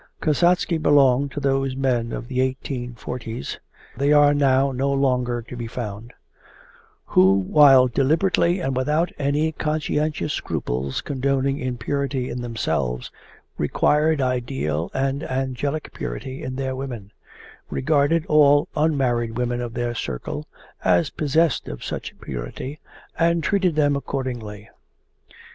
Kasatsky belonged to those men of the eighteen forties (they are now no longer to be found) who while deliberately and without any conscientious scruples condoning impurity in themselves, required ideal and angelic purity in their women, regarded all unmarried women of their circle as possessed of such purity, and treated them accordingly.